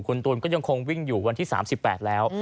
คุณตูนก็ยังคงวิ่งอยู่วันที่๓๘แล้ว